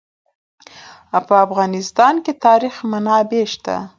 په افغانستان کې د تاریخ منابع شته.